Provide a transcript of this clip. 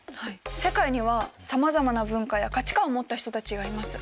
世界にはさまざまな文化や価値観を持った人たちがいます。